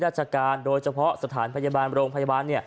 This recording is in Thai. ราชการโดยเฉพาะสถานพยาบาลโรงพยาบาล